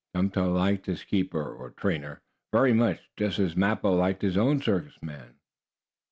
Tum Tum liked his keeper, or trainer, very much, just as Mappo liked his own circus man.